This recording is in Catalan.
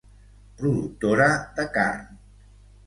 Productora de carn.